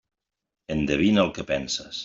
Endevine el que penses.